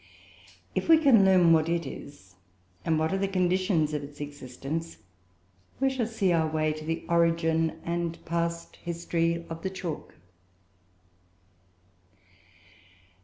If we can learn what it is and what are the conditions of its existence, we shall see our way to the origin and past history of the chalk.